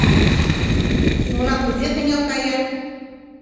Умла кузе кынел кая